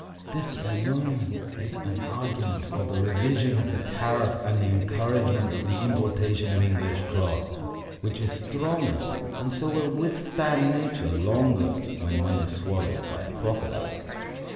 This alone is an argument for the revision of the tariff and the encouragement of the importation of English cloth, which is stronger and so will withstand Nature longer when one is swallowed by a crocodile.